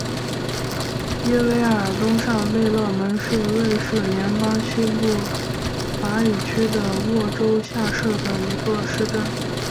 伊韦尔东上贝勒蒙是瑞士联邦西部法语区的沃州下设的一个市镇。